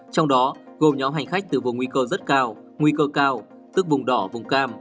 trong đó gồm nhóm hành khách từ vùng nguy cơ rất cao nguy cơ cao tức vùng đỏ vùng cam